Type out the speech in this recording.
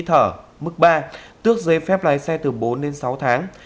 thở mức ba tước giấy phép lái xe từ bốn đến sáu tháng